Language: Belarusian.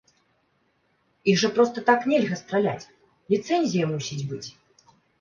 Іх жа проста так нельга страляць, ліцэнзія мусіць быць.